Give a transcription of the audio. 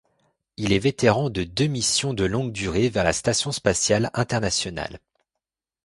Il est vétéran de deux missions de longue durée vers la Station spatiale internationale.